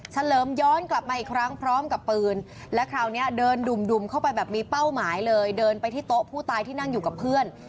เลิมย้อนกลับมาอีกครั้งพร้อมกับปืนและคราวนี้เดินดุ่มเข้าไปแบบมีเป้าหมายเลยเดินไปที่โต๊ะผู้ตายที่นั่งอยู่กับเพื่อน